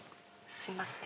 すいません。